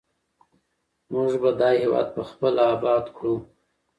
موږ به دا هېواد پخپله اباد کړو.